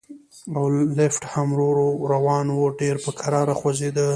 او لفټ هم ورو ورو روان و، ډېر په کراره خوځېده.